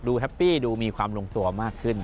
แฮปปี้ดูมีความลงตัวมากขึ้น